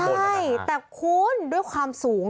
ใช่แต่คุณด้วยความสูง